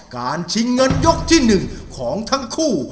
ชิงเงินยกที่๑ของทั้งคู่